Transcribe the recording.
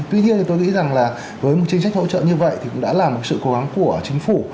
tuy nhiên thì tôi nghĩ rằng là với một chính sách hỗ trợ như vậy thì cũng đã là một sự cố gắng của chính phủ